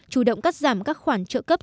chủ động cắt giảm các khoản trợ cấp